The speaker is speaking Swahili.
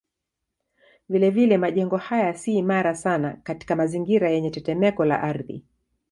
Vilevile majengo haya si imara sana katika mazingira yenye tetemeko la ardhi.